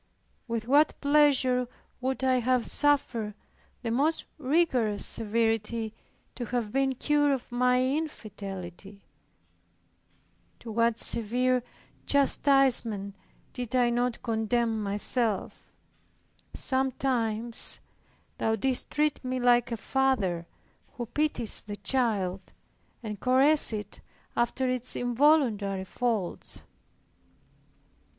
With what pleasure would I have suffered the most rigorous severity to have been cured of my infidelity. To what severe chastisement did I not condemn myself! Sometimes Thou didst treat me like a father who pities the child, and caresses it after its involuntary faults.